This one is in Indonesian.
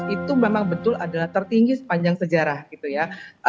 empat puluh dua sembilan ratus itu memang betul adalah tertinggi sepanjang sejarah gitu ya